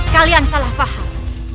kalian salah paham